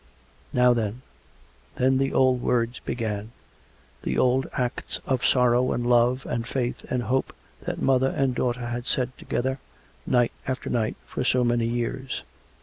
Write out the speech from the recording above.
Now then " Then the old words began — the old acts of sorrow and love and faith and hope, that mother and daughter had said together, night after night, for so many years.